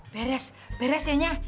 beres beres yonya